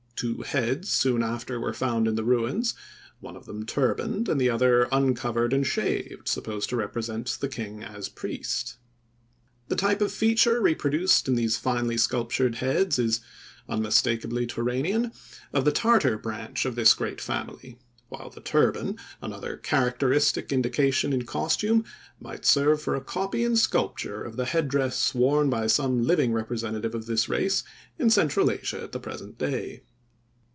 Two heads soon after were found in the ruins, one of them turbaned and the other uncovered and shaved, supposed to represent the king as priest. The type of feature reproduced in these finely sculptured heads is unmistakably Turanian, of the Tartar branch of this great family, while the turban, another characteristic indication in costume, might serve for a copy in sculpture of the head dress worn by some living representative of this race in central Asia at the present day.